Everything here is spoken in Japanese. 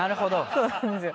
そうなんですよ。